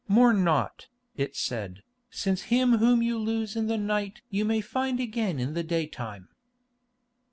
"Mourn not," it said, "since him whom you lose in the night you may find again in the daytime."